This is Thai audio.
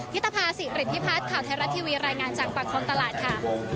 พี่ตภาศรีฤทธิพัฒน์ข่าวไทยรัฐทีวีรายงานจากปากคนตลาดค่ะ